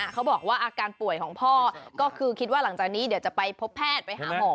เขาบอกว่าอาการป่วยของพ่อก็คือคิดว่าหลังจากนี้เดี๋ยวจะไปพบแพทย์ไปหาหมอ